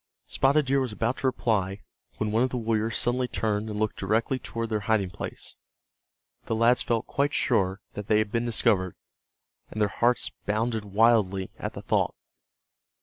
Spotted Deer was about to reply when one of the warriors suddenly turned and looked directly toward their hiding place. The lads felt quite sure that they had been discovered, and their hearts bounded wildly at the thought.